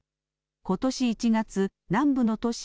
ことし１月、南部の都市